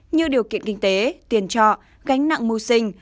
như điều kiện kinh tế tiền trọ gánh nặng mưu sinh